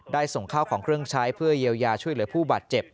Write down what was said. ส่งข้าวของเครื่องใช้เพื่อเยียวยาช่วยเหลือผู้บาดเจ็บ